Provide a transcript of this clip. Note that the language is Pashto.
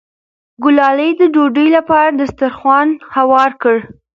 ګلالۍ د ډوډۍ لپاره دسترخوان هوار کړ.